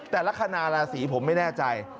แต่ลักษณะราศีผมไม่แน่ใจ